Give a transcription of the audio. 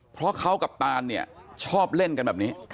เพราะเขากับตานเนี่ยชอบเล่นกันแบบนี้